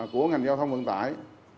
của ngành giao thông vận tải